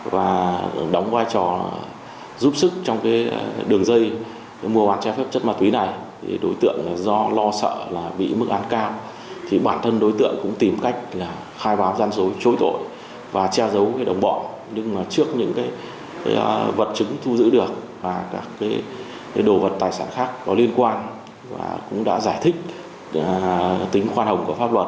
với hành vi mua bán trái phép chất ma túy nguyễn thị hải và đinh văn thắng sẽ phải nhận bản án nghiêm khắc nhất của pháp luật